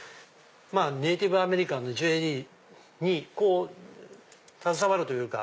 ネーティブアメリカンのジュエリーに携わるというか。